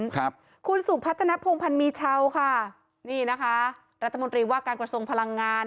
ครับคุณสุพัฒนภงพันธ์มีชาวค่ะนี่นะคะรัฐมนตรีว่าการกระทรวงพลังงาน